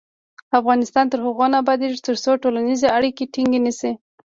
افغانستان تر هغو نه ابادیږي، ترڅو ټولنیزې اړیکې ټینګې نشي.